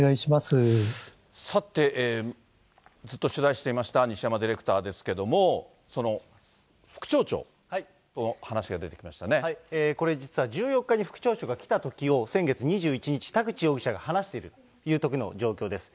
さて、ずっと取材していました西山ディレクターですけれども、これ、実は１４日に副町長が来たときを先月２１日、田口容疑者が話しているというときの状況です。